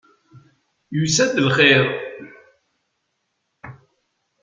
Yusa-d lxir!